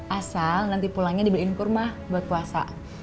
asal nanti pulangnya dibeliin kurma buat puasa